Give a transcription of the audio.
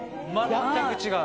全く違う！